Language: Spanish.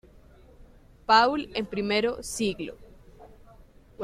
Paul en primero siglo.